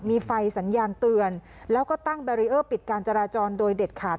มีไฟสัญญาณเตือนแล้วก็ตั้งแบรีเออร์ปิดการจราจรโดยเด็ดขาด